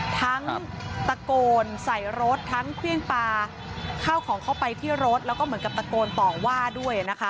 ทั้งตะโกนใส่รถทั้งเครื่องปลาข้าวของเข้าไปที่รถแล้วก็เหมือนกับตะโกนต่อว่าด้วยนะคะ